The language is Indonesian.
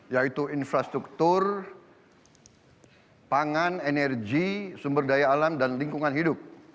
yaitu infrastruktur pangan energi sumber daya alam dan lingkungan hidup